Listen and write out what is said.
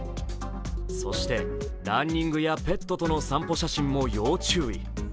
そして、ランニングやペットとの散歩写真も要注意。